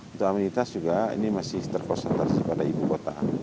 untuk amenitas juga ini masih terporsentasi pada ibu kota